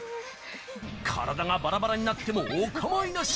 体がバラバラになってもお構いなし！